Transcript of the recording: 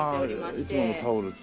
「いつものタオル２」。